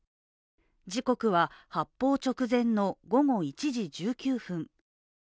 時刻は発砲直前の午後１時１９分。